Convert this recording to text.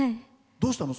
どうしたの？